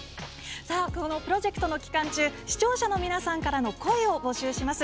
このプロジェクトの期間中視聴者の皆さんからの声を募集します。